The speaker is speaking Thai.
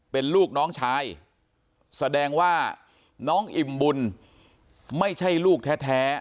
เป็นลูกน้องชายแสดงว่าน้องอิ่มบุญไม่ใช่ลูกแท้